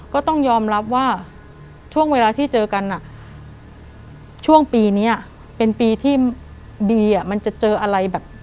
ก็ต้องยอมรับว่าช่วงเวลาที่เจอกันช่วงปีนี้เป็นปีที่ดีมันจะเจออะไรแบบ